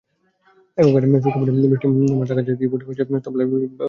একক গানে ছোট্ট মণি বৃষ্টি মার্থা গোমেজ, কিবোর্ডে পূজা গোমেজ, তবলায় পলাশ রোজারিও।